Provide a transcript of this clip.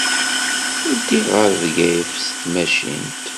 Ddiɣ ɣer Bgayet s tmacint.